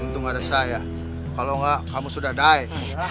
untung ada saya kalo gak kamu sudah die